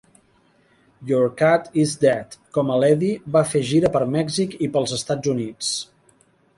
"Your cat is dead" com a l'Eddie, i va fer gira per Mèxic i pels Estats Units.